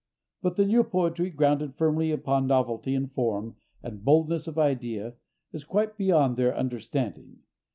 But the new poetry, grounded firmly upon novelty of form and boldness of idea, is quite beyond their understanding.